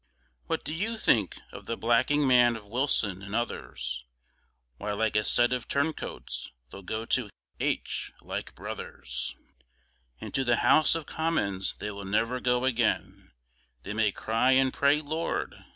What do you think of the Blacking man of Wilson and others? Why like a set of turn coats they'll go to h like brothers Into the House of Commons they will never go again, They may cry and pray, lord!